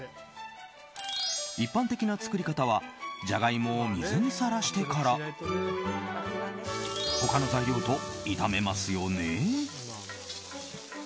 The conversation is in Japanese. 一般的な作り方はジャガイモを水にさらしてから他の材料と炒めますよね？